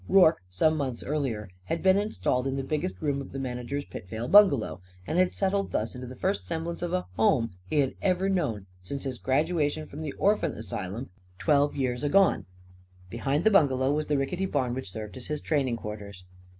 Rorke, some months earlier, had been installed in the biggest room of the manager's Pitvale bungalow; and had settled thus in the first semblance of a home he had ever known since his graduation from the orphan asylum, twelve years agone. Behind the bungalow was the rickety barn which served as his training quarters.